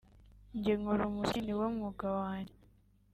njye nkora umuziki ni wo mwuga wanjye